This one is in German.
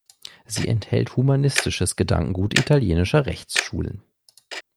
Sie enthält humanistisches Gedankengut italienischer Rechtsschulen.